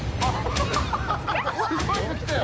すごいの来たよ。